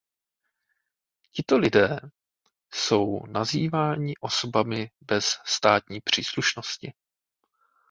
Tito lidé jsou nazýváni osobami bez státní příslušnosti.